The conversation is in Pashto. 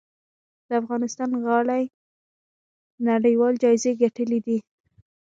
د افغانستان غالۍ نړیوال جایزې ګټلي دي